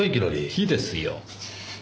火ですよ。